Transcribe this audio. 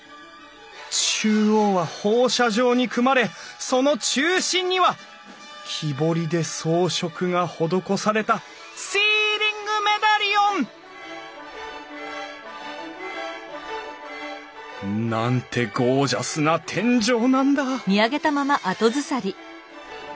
中央は放射状に組まれその中心には木彫りで装飾が施されたシーリングメダリオン！なんてゴージャスな天井なんだ！